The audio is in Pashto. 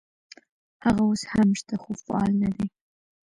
هغه اوس هم شته خو فعال نه دي.